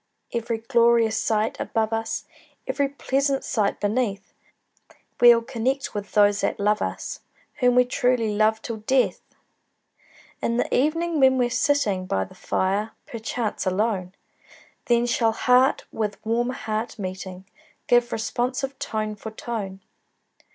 Every glorious sight above us, Every pleasant sight beneath, We'll connect with those that love us, Whom we truly love till death! In the evening, when we're sitting By the fire, perchance alone, Then shall heart with warm heart meeting, Give responsive tone for tone.